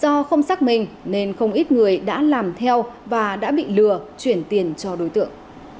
do không xác minh nên không ít người đã làm theo và đã bị lừa chuyển tiền cho đối tượng